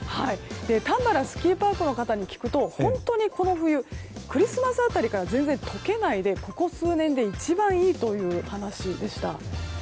たんばらスキーパークの方に聞くと、本当にこの冬クリスマス辺りから全然解けないでここ数年で一番いいという話でした。